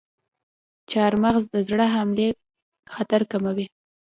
چارمغز د زړه حملې خطر کموي.